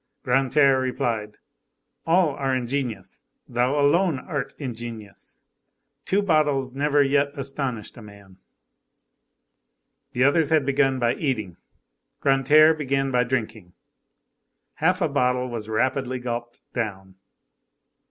Grantaire replied:— "All are ingenious, thou alone art ingenuous. Two bottles never yet astonished a man." The others had begun by eating, Grantaire began by drinking. Half a bottle was rapidly gulped down.